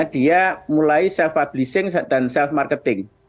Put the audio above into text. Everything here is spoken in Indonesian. dia mulai self publishing dan self marketing